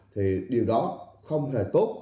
thì điều đó không hề tốt